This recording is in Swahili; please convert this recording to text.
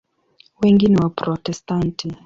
Wengi ni Waprotestanti.